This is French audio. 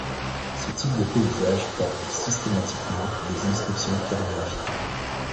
Ce type de paysage porte systématiquement des inscriptions calligraphiées.